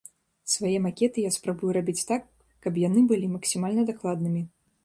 Свае макеты я спрабую рабіць так, каб яны былі максімальна дакладнымі.